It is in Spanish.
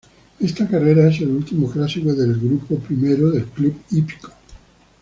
Esta carrera es el último clásico de Grupo I del Club Hípico.